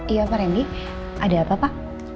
iya pak remi ada apa pak